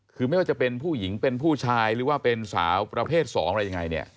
คือไม่ว่าจะเป็นผู้หญิงเป็นผู้ชายหรือว่าเป็นสาวประเภท๒อะไรยังไงเนี่ย